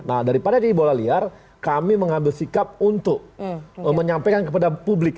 nah daripada jadi bola liar kami mengambil sikap untuk menyampaikan kepada publik